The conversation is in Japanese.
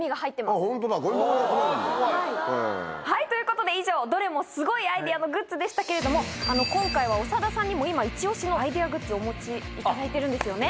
はいということで以上どれもすごいアイデアのグッズでしたけれども今回は長田さんにも今イチ押しのアイデアグッズお持ちいただいてるんですよね。